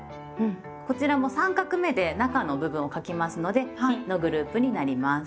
こちらも３画目で中の部分を書きますので「日」のグループになります。